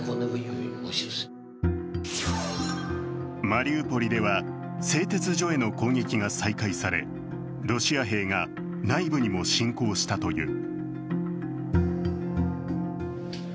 マリウポリでは製鉄所への攻撃が再開され、ロシア兵が内部にも侵攻したという。